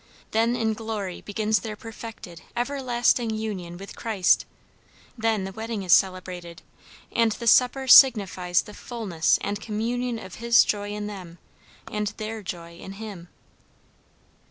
Then in glory begins their perfected, everlasting union with Christ; then the wedding is celebrated; and the supper signifies the fulness and communion of his joy in them and their joy in him."